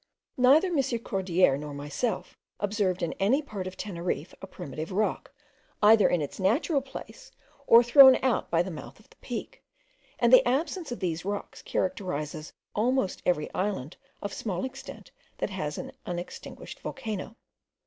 Neither M. Cordier nor myself observed in any part of Teneriffe a primitive rock, either in its natural place, or thrown out by the mouth of the Peak; and the absence of these rocks characterizes almost every island of small extent that has an unextinguishied volcano.